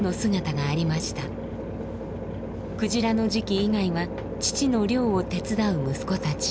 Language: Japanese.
鯨の時期以外は父の漁を手伝う息子たち。